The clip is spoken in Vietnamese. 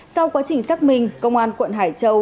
sau quá trình xác minh công an quận hải châu